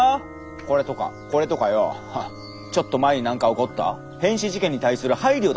これとかこれとかよォちょっと前になんか起こった変死事件に対する「配慮」だ